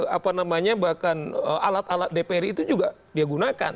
apa namanya bahkan alat alat dpr itu juga dia gunakan